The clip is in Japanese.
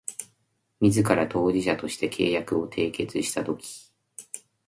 自ら当事者として契約を締結したとき